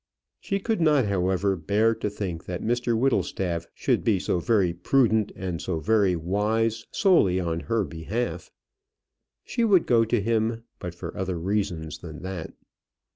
She could not, however, bear to think that Mr Whittlestaff should be so very prudent and so very wise solely on her behalf. She would go to him, but for other reasons than that.